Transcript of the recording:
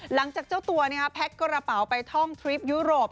หลังจากเจ้าตัวแพ็คกระเป๋าไปท่องทริปยุโรป